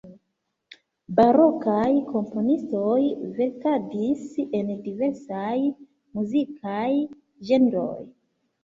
Barokaj komponistoj verkadis en diversaj muzikaj ĝenroj.